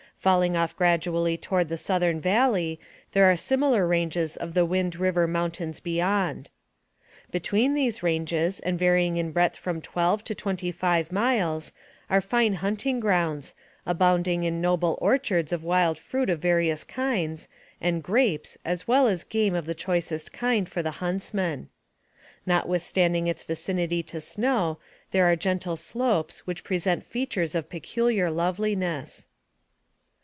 Falling off gradually toward the southern valley, there are similar ranges of the Wind River Mountains beyond. Between these ranges, and varying in breadth from twelve to twenty five miles, are fine hunting grounds, abounding in noble orchards of wild fruit of various kinds, and grapes, as well as game of the choicest kind for the huntsman. Notwithstanding its vicinity to snow, there are gentle slopes which present features of peculiar loveliness.